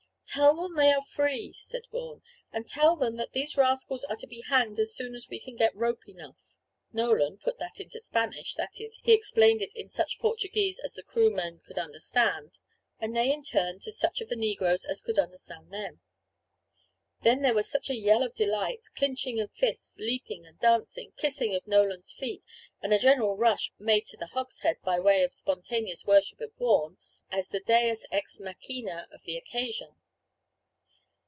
"Tell them they are free," said Vaughan; "and tell them that these rascals are to be hanged as soon as we can get rope enough." Nolan "put that into Spanish," that is, he explained it in such Portuguese as the Kroomen could understand, and they in turn to such of the negroes as could understand them. Then there was such a yell of delight, clinching of fists, leaping and dancing, kissing of Nolan's feet, and a general rush made to the hogshead by way of spontaneous worship of Vaughan, as the deus ex machina of the occasion.